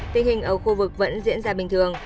tình hình ở khu vực vẫn diễn ra bình thường